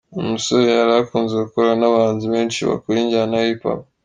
uyu musore yari yarakunze gukorana nabahanzi benshi bakora injyana ya hip hop.